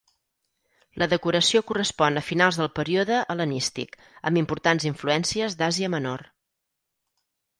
La decoració correspon a finals del període hel·lenístic, amb importants influències d'Àsia Menor.